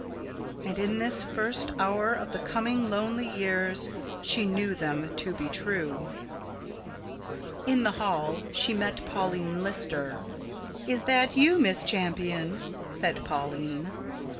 And, in this first hour of the coming lonely years, she knew them to be true. In the hall she met Pauline Lister. "Is that you, Miss Champion?" said Pauline.